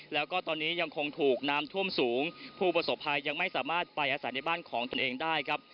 แล้วก็ตอนนี้ยังคงถูกน้ำท่วมสูงผู้ประสบภัยยังไม่สามารถไปอาศัยในบ้านของตนเองได้ครับ